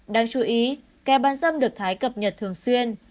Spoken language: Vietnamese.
đáng chú ý kè bán dâm được thái cập nhật thường xuyên